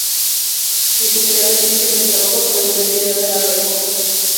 Licenciado en Ciencias del Trabajo por la Universidad de La Rioja.